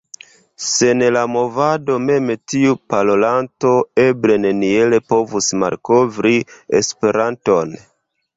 Sen la Movado mem tiu parolanto eble neniel povus malkovri Esperanton.